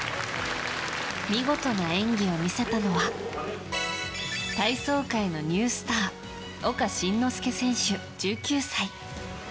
見事な演技を見せたのは体操界のニュースター岡慎之助選手、１９歳。